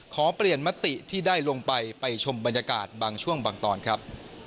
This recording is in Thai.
ขอเปลี่ยนมติที่ได้ลงไปไปชมบรรยากาศบางช่วงบางตอนครับ